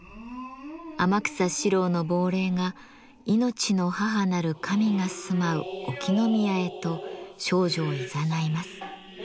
天草四郎の亡霊がいのちの母なる神が住まう沖宮へと少女をいざないます。